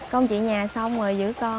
công việc nhà xong rồi giữ con